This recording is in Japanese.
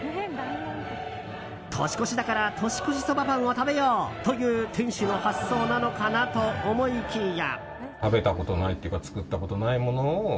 年越しだから年越しそばパンを食べようという店主の発想なのかなと思いきや。